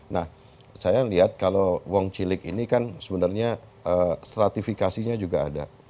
nah saya lihat kalau wong cilik ini kan sebenarnya stratifikasinya juga ada